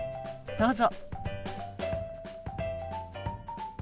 どうぞ。